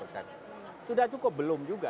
sudah cukup belum juga